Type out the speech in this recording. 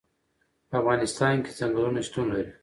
په افغانستان کې چنګلونه شتون لري.